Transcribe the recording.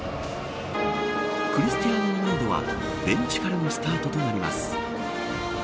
クリスティアーノ・ロナウドはベンチからのスタートとなります。